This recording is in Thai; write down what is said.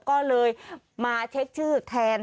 ก็เลยมาเช็คชื่อแทน